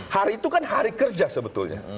hari itu kan hari kerja sebetulnya